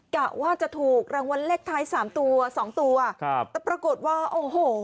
กะว่าจะถูกรางวัลเลขท้ายสามตัวสองตัวครับแต่ปรากฏว่าโอ้โห